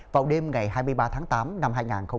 vào đêm ngày hai mươi ba tháng tám năm hai nghìn một mươi tám